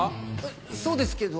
そうですけど。